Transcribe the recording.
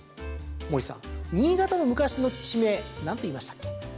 森さん、新潟の昔の地名なんと言いましたっけ？